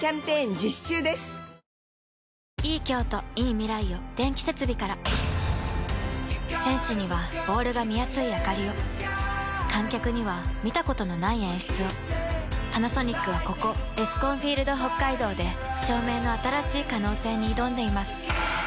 不眠には緑の漢方セラピー選手にはボールが見やすいあかりを観客には見たことのない演出をパナソニックはここエスコンフィールドＨＯＫＫＡＩＤＯで照明の新しい可能性に挑んでいます